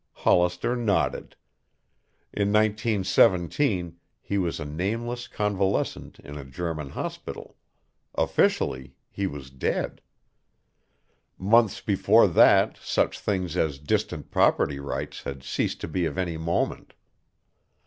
Hollister nodded. In 1917 he was a nameless convalescent in a German hospital; officially he was dead. Months before that such things as distant property rights had ceased to be of any moment.